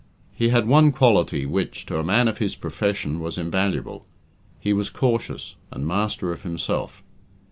He had one quality which, to a man of his profession, was invaluable he was cautious, and master of himself.